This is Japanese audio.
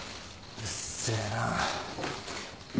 うっせえな。